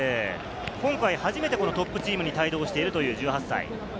今回初めてトップチームに帯同しているという１８歳。